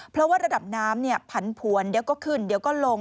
เพราะว่าระดับน้ำผันผวนเดี๋ยวก็ขึ้นเดี๋ยวก็ลง